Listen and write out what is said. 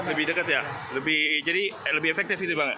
lebih dekat ya jadi lebih efektif gitu bang